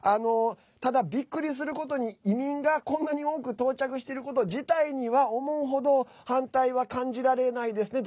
ただ、びっくりすることに移民がこんなに多く到着してること自体には思うほど反対は感じられないですね。